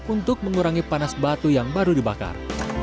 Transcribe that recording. untuk mengurangi panas batu yang baru dibakar